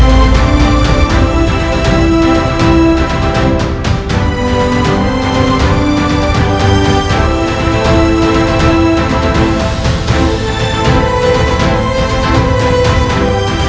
aduh saya tak bisa berasa saya tak membawa